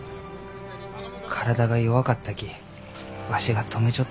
体が弱かったきわしが止めちょったせいです。